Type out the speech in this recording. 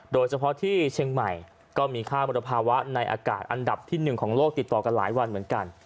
โดยเฉพาะที่เชียงใหม่ก็มีค่ามรภาวะในอากาศอันดับที่๑ของโลกติดต่อกันหลายวันเหมือนกัน